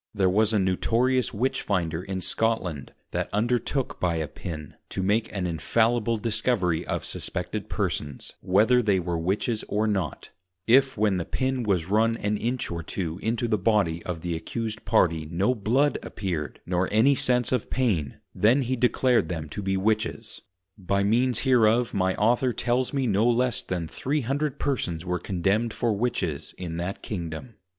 There was a notorious Witchfinder in Scotland, that undertook by a Pin, to make an infallible Discovery of suspected Persons, whether they were Witches or not, if when the Pin was run an Inch or two into the Body of the accused Party no Blood appeared, nor any sense of Pain, then he declared them to be Witches; by means hereof my Author tells me no less then 300 persons were Condemned for Witches in that Kingdom.